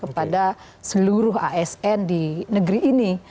kepada seluruh asn di negeri ini